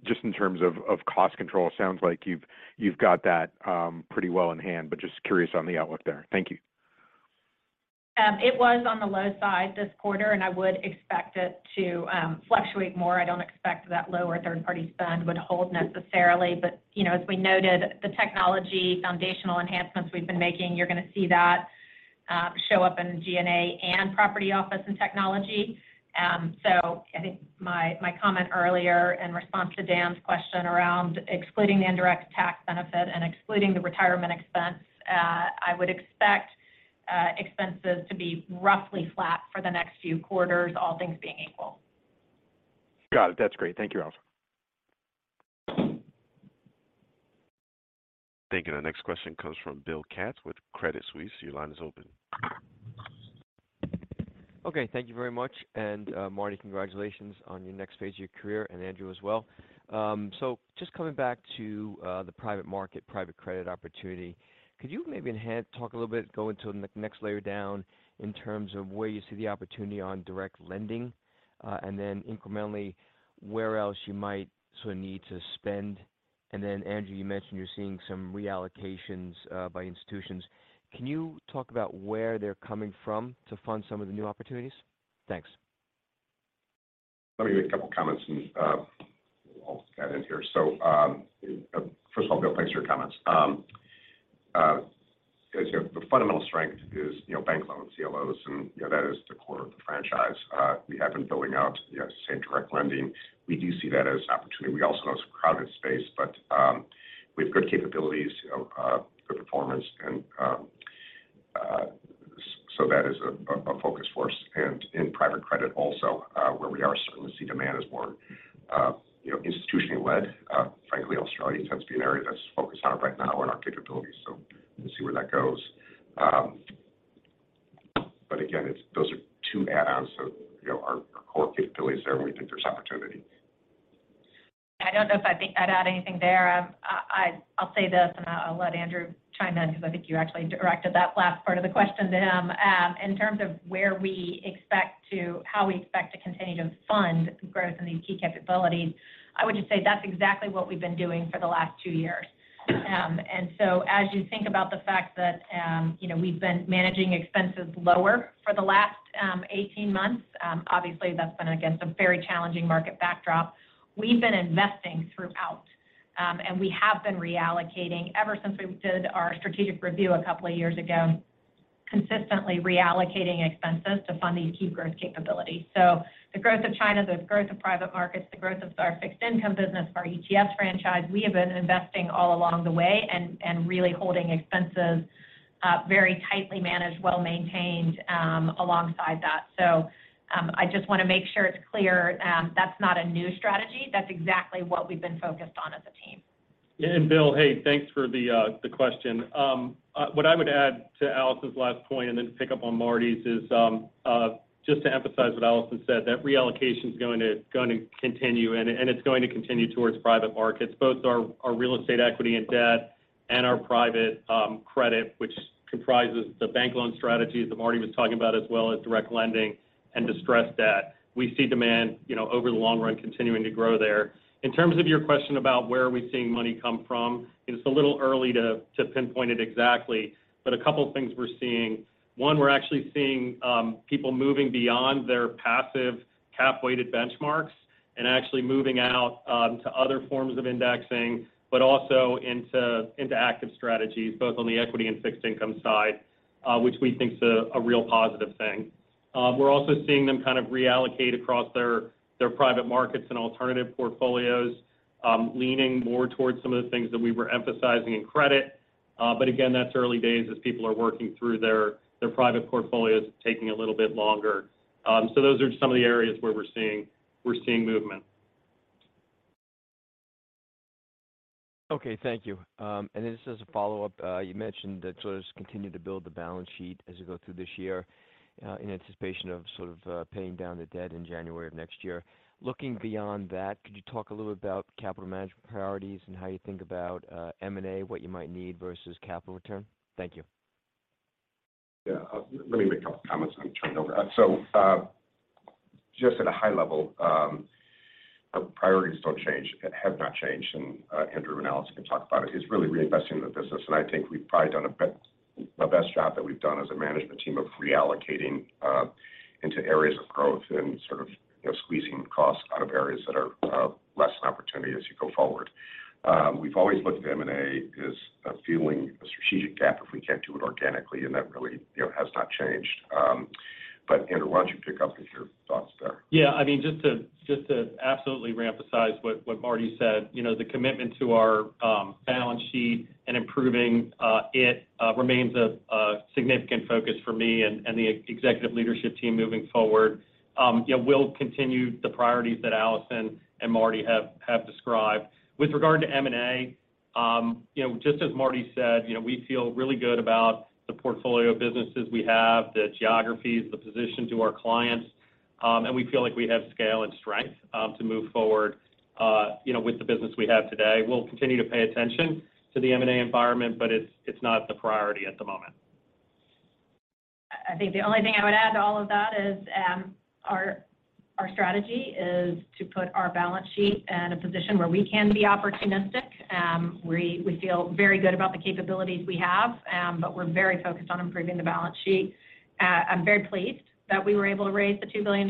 just in terms of cost control. It sounds like you've got that pretty well in hand, but just curious on the outlook there. Thank you. It was on the low side this quarter, and I would expect it to fluctuate more. I don't expect that lower third-party spend would hold necessarily, but, you know, as we noted, the technology foundational enhancements we've been making, you're gonna see that show up in G&A and property office and technology. I think my comment earlier in response to Dan's question around excluding the indirect tax benefit and excluding the retirement expense, I would expect expenses to be roughly flat for the next few quarters, all things being equal. Got it. That's great. Thank you, Allison. Thank you. The next question comes from Bill Katz with Credit Suisse. Your line is open. Okay, thank you very much. Marty, congratulations on your next phase of your career, and Andrew as well. Just coming back to the private market, private credit opportunity, could you maybe talk a little bit, go into the next layer down in terms of where you see the opportunity on direct lending, and then incrementally, where else you might sort of need to spend? Andrew, you mentioned you're seeing some reallocations by institutions. Can you talk about where they're coming from to fund some of the new opportunities? Thanks. Let me make a couple comments and I'll let Allison in here. First of all, Bill, thanks for your comments. As you know, the fundamental strength is, you know, bank loans, CLOs, and, you know, that is the core of the franchise. We have been building out, you know, I say direct lending. We do see that as an opportunity. We also know it's a crowded space, but we have good capabilities, good performance and that is a focus for us. In private credit also, where we are certainly see demand as more, you know, institutionally led. Frankly, Australia tends to be an area that's focused on right now in our capabilities. We'll see where that goes. But again, those are two add-ons. you know, our core capability is there, and we think there's opportunity. I don't know if I'd add anything there. I'll say this. I'll let Andrew chime in because I think you actually directed that last part of the question to him. In terms of how we expect to continue to fund growth in these key capabilities, I would just say that's exactly what we've been doing for the last two years. As you think about the fact that, you know, we've been managing expenses lower for the last 18 months, obviously that's been, again, some very challenging market backdrop. We've been investing throughout. We have been reallocating ever since we did our strategic review a couple of years ago, consistently reallocating expenses to fund these key growth capabilities. The growth of China, the growth of Private Markets, the growth of our fixed income business, our ETF franchise, we have been investing all along the way and really holding expenses, very tightly managed, well-maintained, alongside that. I just wanna make sure it's clear, that's not a new strategy. That's exactly what we've been focused on as a team. Bill, hey, thanks for the question. What I would add to Allison's last point and then pick up on Marty's is just to emphasize what Allison said, that reallocation is going to continue, and it's going to continue towards Private Markets. Both our real estate equity and debt and our private credit, which comprises the bank loan strategies that Marty was talking about, as well as direct lending and distressed debt. We see demand, you know, over the long run continuing to grow there. In terms of your question about where are we seeing money come from, it's a little early to pinpoint it exactly, but a couple of things we're seeing. One, we're actually seeing, people moving beyond their passive cap-weighted benchmarks and actually moving out to other forms of indexing, but also into active strategies, both on the equity and fixed income side, which we think is a real positive thing. We're also seeing them kind of reallocate across their Private Markets and alternative portfolios, leaning more towards some of the things that we were emphasizing in credit. Again, that's early days as people are working through their private portfolios, taking a little bit longer. Those are some of the areas where we're seeing movement. Okay, thank you. This is a follow-up. You mentioned that sort of continue to build the balance sheet as you go through this year, in anticipation of sort of paying down the debt in January of next year. Looking beyond that, could you talk a little about capital management priorities and how you think about M&A, what you might need versus capital return? Thank you. Yeah. Let me make a couple comments, and turn it over. Just at a high level, our priorities don't change, have not changed, and Andrew and Allison can talk about it. It's really reinvesting in the business, and I think we've probably done the best job that we've done as a management team of reallocating into areas of growth and sort of, you know, squeezing costs out of areas that are less an opportunity as you go forward. We've always looked at M&A as filling a strategic gap if we can't do it organically, and that really, you know, has not changed. Andrew, why don't you pick up if your thoughts there? Yeah, I mean, just to absolutely reemphasize what Marty said. You know, the commitment to our balance sheet and improving it remains a significant focus for me and the executive leadership team moving forward. Yeah, we'll continue the priorities that Allison and Marty have described. With regard to M&A, you know, just as Marty said, you know, we feel really good about the portfolio of businesses we have, the geographies, the position to our clients, we feel like we have scale and strength to move forward, you know, with the business we have today. We'll continue to pay attention to the M&A environment, it's not the priority at the moment. I think the only thing I would add to all of that is, our strategy is to put our balance sheet in a position where we can be opportunistic. We, we feel very good about the capabilities we have, but we're very focused on improving the balance sheet. I'm very pleased that we were able to raise the $2 billion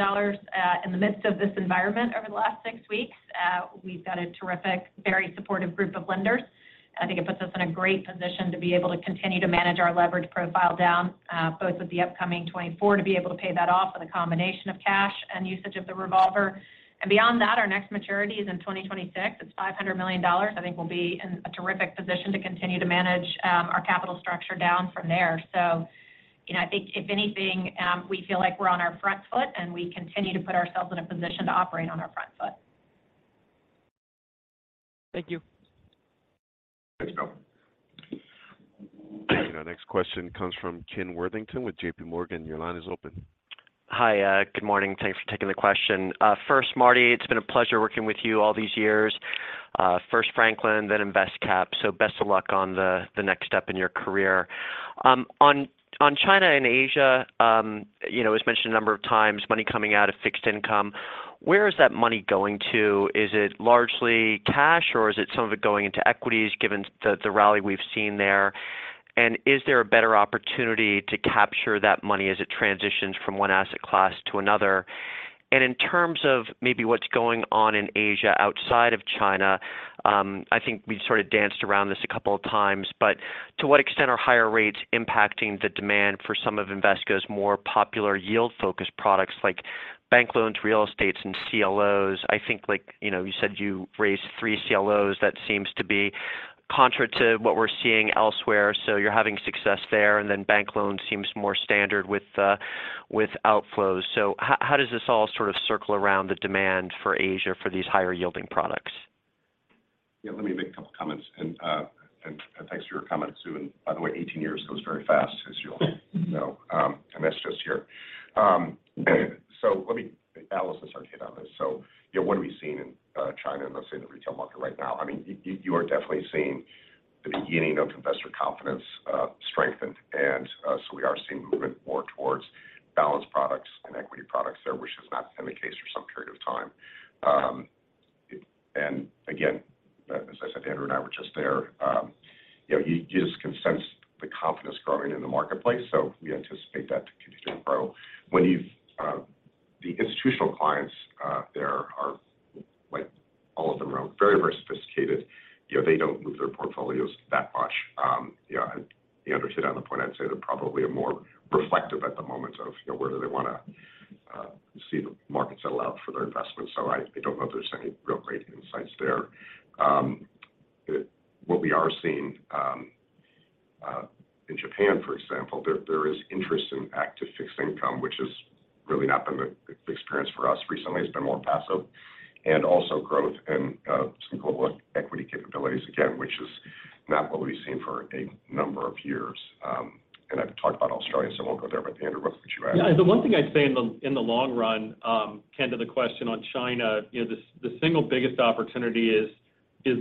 in the midst of this environment over the last six weeks. We've got a terrific, very supportive group of lenders. I think it puts us in a great position to be able to continue to manage our leverage profile down, both with the upcoming 2024 to be able to pay that off with a combination of cash and usage of the revolver. Beyond that, our next maturity is in 2026. It's $500 million. I think we'll be in a terrific position to continue to manage our capital structure down from there. You know, I think if anything, we feel like we're on our front foot, and we continue to put ourselves in a position to operate on our front foot. Thank you. Thanks, Bill. Your next question comes from Ken Worthington with JPMorgan. Your line is open. Hi. Good morning. Thanks for taking the question. First, Marty, it's been a pleasure working with you all these years. First Franklin, then Invesco. Best of luck on the next step in your career. On China and Asia, you know, it was mentioned a number of times, money coming out of fixed income. Where is that money going to? Is it largely cash, or is it some of it going into equities given the rally we've seen there? Is there a better opportunity to capture that money as it transitions from one asset class to another? In terms of maybe what's going on in Asia outside of China, I think we've sort of danced around this a couple of times, but to what extent are higher rates impacting the demand for some of Invesco's more popular yield-focused products like bank loans, real estates, and CLOs? I think like, you know, you said you raised three CLOs. That seems to be contrary to what we're seeing elsewhere. You're having success there, and then bank loans seems more standard with outflows. How does this all sort of circle around the demand for Asia for these higher yielding products? Yeah, let me make a couple comments. Thanks for your comments, too. By the way, 18 years goes very fast as you'll know, and that's just here. Let me... Allison started on this. Yeah, what are we seeing in China and let's say the retail market right now? I mean, you are definitely seeing the beginning of investor confidence strengthened. We are seeing movement more towards balanced products and equity products there, which has not been the case for some period of time. Again, as I said, Andrew and I were just there, you know, you just can sense the confidence growing in the marketplace. We anticipate that to continue to grow. When you've... The institutional clients there are like all of them are very, very sophisticated. You know, they don't move their portfolios that much. You know, Andrew hit on the point, I'd say they're probably are more reflective at the moment of, you know, where do they wanna see the markets allow for their investments. I don't know if there's any real great insights there. What we are seeing in Japan, for example, there is interest in Active Fixed Income, which has really not been the experience for us recently. It's been more passive. Also growth and some global equity capabilities, again, which is not what we've seen for a number of years. I've talked about Australia, I won't go there. Andrew, what could you add? Yeah. The one thing I'd say in the, in the long run, Ken, to the question on China, you know, the single biggest opportunity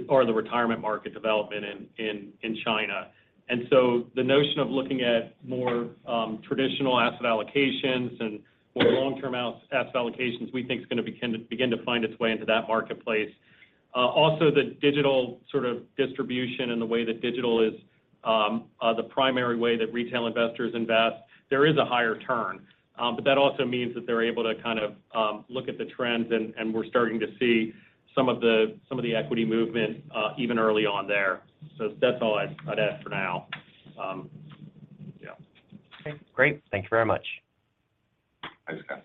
are the retirement market development in China. The notion of looking at more traditional asset allocations and more long-term out asset allocations, we think is gonna begin to find its way into that marketplace. Also the digital sort of distribution and the way that digital is the primary way that retail investors invest, there is a higher turn. That also means that they're able to kind of look at the trends and we're starting to see some of the equity movement, even early on there. That's all I'd ask for now. Yeah. Okay, great. Thank you very much. Thanks, Ken.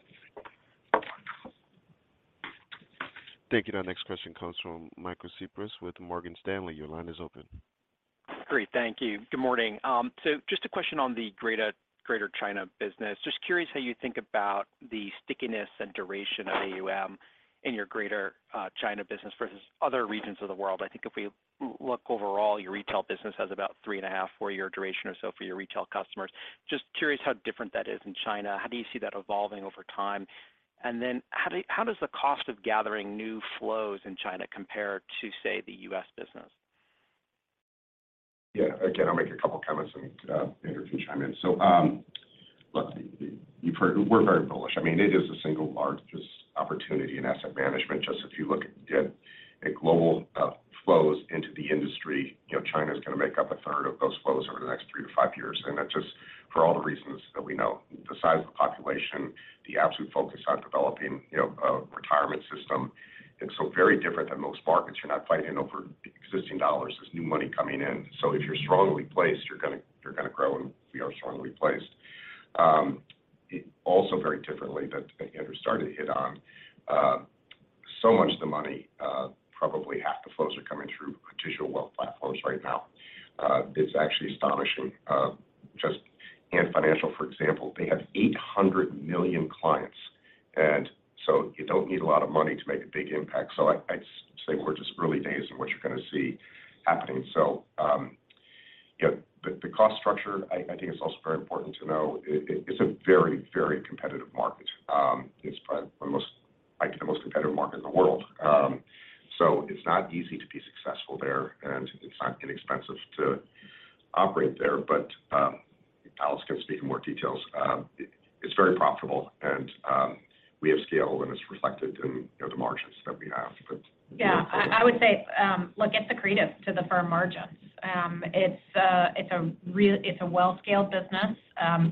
Thank you. Our next question comes from Michael Cyprys with Morgan Stanley. Your line is open. Great. Thank you. Good morning. Just a question on the Greater China business. Just curious how you think about the stickiness and duration of AUM in your Greater China business versus other regions of the world. I think if we look overall, your retail business has about three and a half, four year duration or so for your retail customers. Just curious how different that is in China. How do you see that evolving over time? Then how does the cost of gathering new flows in China compare to, say, the U.S. business? Yeah. Again, I'll make a couple comments and Andrew can chime in. Look, you've heard we're very bullish. I mean, it is the single largest opportunity in asset management. Just if you look at global flows into the industry, you know, China is gonna make up a third of those flows over the next three to five years. That's just for all the reasons that we know. The size of the population. The absolute focus on developing, you know, a retirement system. Very different than most markets. You're not fighting over existing dollars. There's new money coming in. If you're strongly placed, you're gonna grow, and we are strongly placed. Very differently that Andrew started to hit on, so much of the money, probably half the flows are coming through institutional wealth platforms right now. It's actually astonishing, just Ant Financial, for example, they have 800 million clients. You don't need a lot of money to make a big impact. I'd say we're just early days in what you're gonna see happening. You know, the cost structure, I think it's also very important to know it's a very, very competitive market. It's probably the most, like, the most competitive market in the world. It's not easy to be successful there, and it's not inexpensive to operate there. Allison can speak in more details. It's very profitable, and, we have scale, and it's reflected in, you know, the margins that we have. I would say, look, it's accretive to the firm margins. It's a well-scaled business,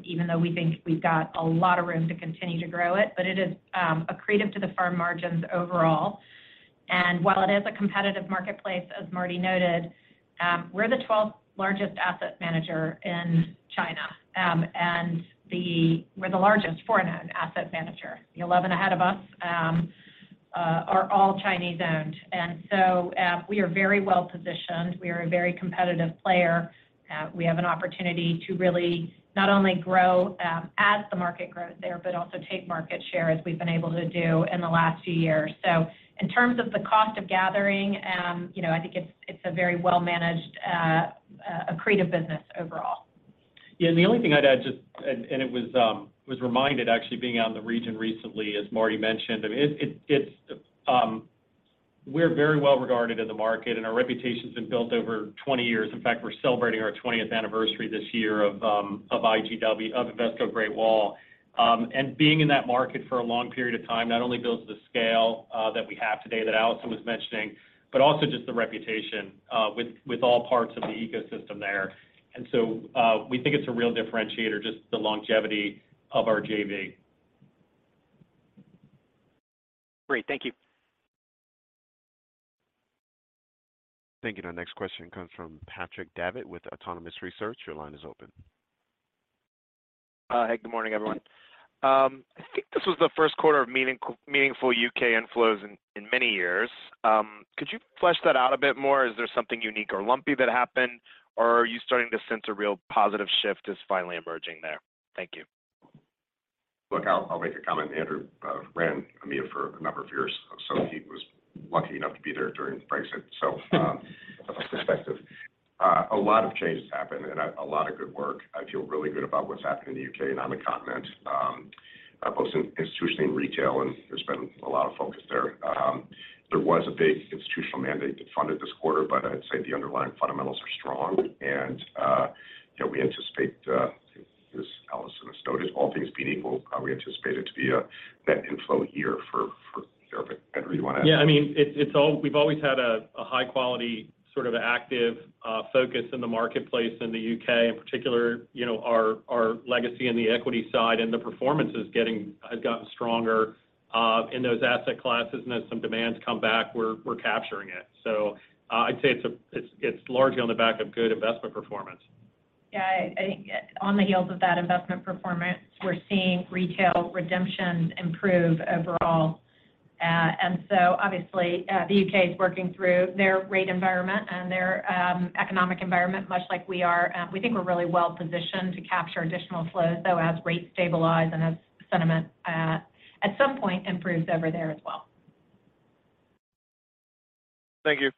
even though we think we've got a lot of room to continue to grow it. It is accretive to the firm margins overall. While it is a competitive marketplace, as Marty noted, we're the 12th largest asset manager in China. We're the largest foreign-owned asset manager. The 11 ahead of us are all Chinese-owned. We are very well-positioned. We are a very competitive player. We have an opportunity to really not only grow as the market grows there, but also take market share as we've been able to do in the last few years. In terms of the cost of gathering, you know, I think it's a very well-managed, accretive business overall. Yeah. The only thing I'd add just. It was reminded actually being out in the region recently, as Marty mentioned. I mean, it's, we're very well-regarded in the market, and our reputation's been built over 20 years. In fact, we're celebrating our 20th anniversary this year of IGW, of Invesco Great Wall. Being in that market for a long period of time not only builds the scale that we have today that Allison was mentioning, but also just the reputation with all parts of the ecosystem there. We think it's a real differentiator, just the longevity of our JV. Great. Thank you. Thank you. Our next question comes from Patrick Davitt with Autonomous Research. Your line is open. Hey, good morning, everyone. I think this was the first quarter of meaningful U.K. inflows in many years. Could you flesh that out a bit more? Is there something unique or lumpy that happened, or are you starting to sense a real positive shift is finally emerging there? Thank you. Look, I'll make a comment. Andrew ran EMEA for a number of years, he was lucky enough to be there during Brexit. A lot of perspective. A lot of changes happened and a lot of good work. I feel really good about what's happened in the U.K. and on the continent, both in institution and retail, and there's been a lot of focus there. There was a big institutional mandate that funded this quarter, but I'd say the underlying fundamentals are strong. You know, we anticipate, as Allison sort of noted, all things being equal, we anticipate it to be a net inflow year for Europe. Andrew, you wanna. Yeah. I mean, We've always had a high quality sort of active focus in the marketplace in the U.K. In particular, you know, our legacy in the equity side and the performance has gotten stronger in those asset classes. As some demands come back, we're capturing it. I'd say it's largely on the back of good investment performance. Yeah. On the heels of that investment performance, we're seeing retail redemptions improve overall. Obviously, the U.K. is working through their rate environment and their economic environment much like we are. We think we're really well-positioned to capture additional flows, though, as rates stabilize and as sentiment, at some point improves over there as well. Thank you.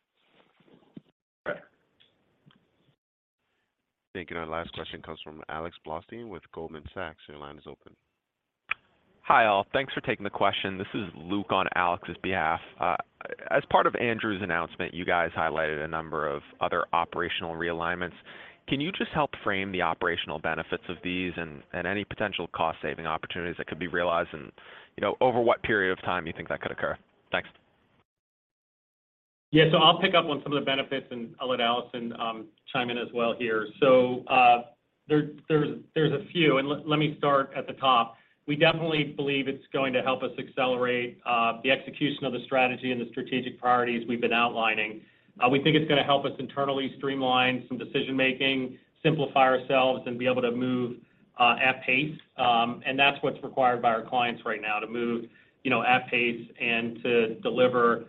Great. Thank you. Our last question comes from Alex Blostein with Goldman Sachs. Your line is open. Hi, all. Thanks for taking the question. This is Luke on Alex's behalf. As part of Andrew's announcement, you guys highlighted a number of other operational realignments. Can you just help frame the operational benefits of these and any potential cost-saving opportunities that could be realized and, you know, over what period of time you think that could occur? Thanks. I'll pick up on some of the benefits, and I'll let Allison chime in as well here. There's a few, and let me start at the top. We definitely believe it's going to help us accelerate the execution of the strategy and the strategic priorities we've been outlining. We think it's gonna help us internally streamline some decision-making, simplify ourselves, and be able to move at pace. That's what's required by our clients right now, to move, you know, at pace and to deliver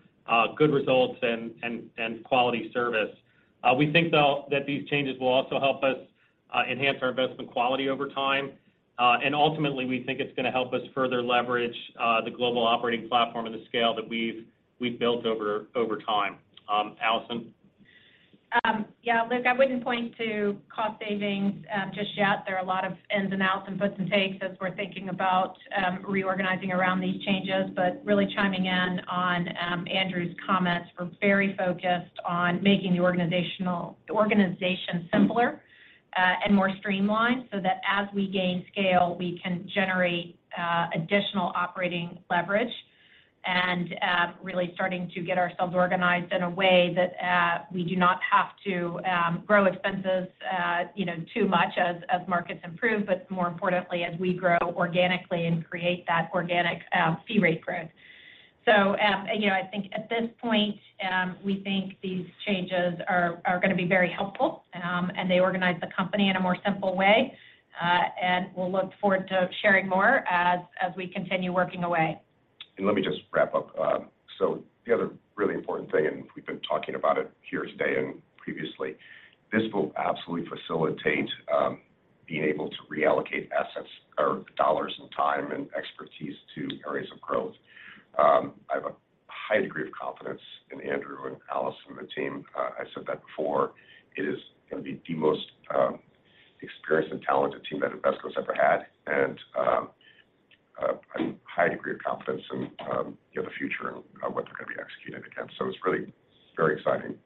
good results and quality service. We think, though, that these changes will also help us enhance our investment quality over time. Ultimately, we think it's gonna help us further leverage the global operating platform and the scale that we've built over time. Allison. Yeah. Luke, I wouldn't point to cost savings just yet. There are a lot of ins and outs and buts and takes as we're thinking about reorganizing around these changes. Really chiming in on Andrew's comments, we're very focused on making the organization simpler and more streamlined so that as we gain scale, we can generate additional operating leverage. Really starting to get ourselves organized in a way that we do not have to grow expenses, you know, too much as markets improve, but more importantly, as we grow organically and create that organic fee rate growth. You know, I think at this point, we think these changes are gonna be very helpful and they organize the company in a more simple way. We'll look forward to sharing more as we continue working away. Let me just wrap up. The other really important thing, and we've been talking about it here today and previously, this will absolutely facilitate being able to reallocate assets or dollars and time and expertise to areas of growth. I have a high degree of confidence in Andrew and Allison and the team. I said that before. It is gonna be the most experienced and talented team that Invesco's ever had and a high degree of confidence in, you know, the future and what they're gonna be executing against. It's really very exciting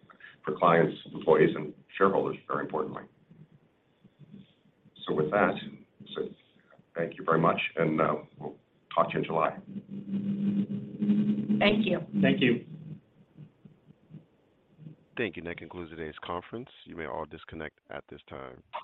for clients, employees, and shareholders, very importantly. With that, so thank you very much, and we'll talk to you in July. Thank you. Thank you. Thank you. That concludes today's conference. You may all disconnect at this time.